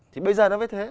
thì bây giờ nó mới thế